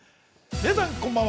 皆さん、こんばんは。